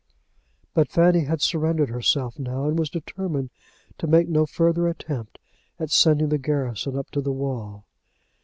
But Fanny had surrendered herself now, and was determined to make no further attempt at sending the garrison up to the wall.